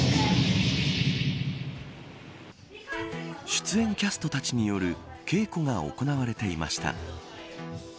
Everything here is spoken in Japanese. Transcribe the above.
出演キャストたちによる稽古が行われていました。